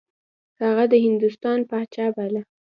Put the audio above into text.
هغه د هندوستان پاچا باله.